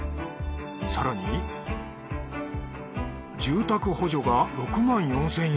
更に住宅補助が６４，０００円。